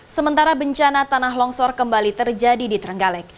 sementara bencana tanah longsor kembali terjadi di trenggalek